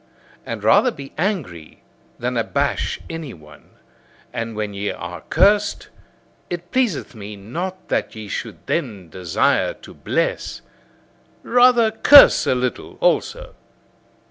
And rather be angry than abash any one! And when ye are cursed, it pleaseth me not that ye should then desire to bless. Rather curse a little also!